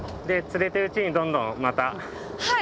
で釣れてるうちにどんどんまた。